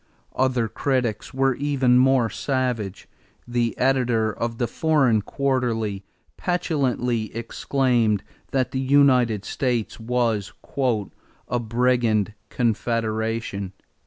Other critics were even more savage. The editor of the Foreign Quarterly petulantly exclaimed that the United States was "a brigand confederation."